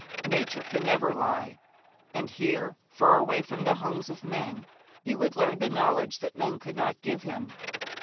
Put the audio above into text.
Nature can never lie, and here, far away from the homes of men, he would learn the knowledge that men could not give him.